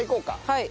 はい。